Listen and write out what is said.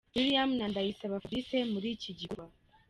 William na Ndayisaba Fabrice muri iki gikorwa.